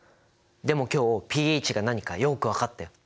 でも今日ｐＨが何かよく分かったよ。